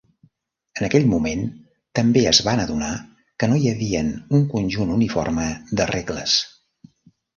En aquell moment també es van adonar que no hi havien un conjunt uniforme de regles.